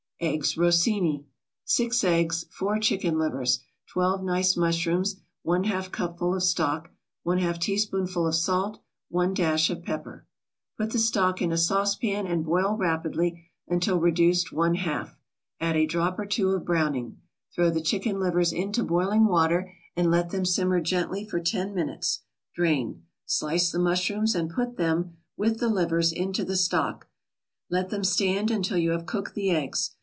EGGS ROSSINI 6 eggs 4 chicken livers 12 nice mushrooms 1/2 cupful of stock 1/2 teaspoonful of salt 1 dash of pepper Put the stock in a saucepan and boil rapidly until reduced one half, add a drop or two of browning. Throw the chicken livers into boiling water and let them simmer gently for ten minutes; drain. Slice the mushrooms and put them, with the livers, into the stock; let them stand until you have cooked the eggs.